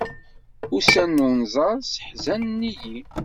Ussan n unẓar sseḥzanen-iyi.